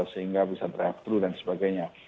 sehingga bisa drive thru dan sebagainya